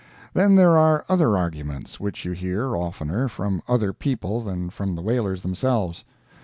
Then there are other arguments which you hear oftener from other people than from the whalers themselves.